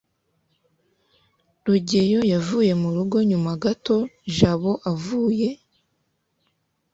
rugeyo yavuye mu rugo nyuma gato jabo avuye